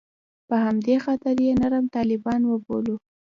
په همدې خاطر یې نرم طالبان وبولو.